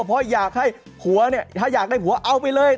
เพราะอยากให้ผัวเนี่ยถ้าอยากได้ผัวเอาไปเลย